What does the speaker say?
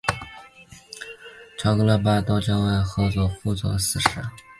朝格特巴特尔曾任蒙古国外交部多边合作司副司长。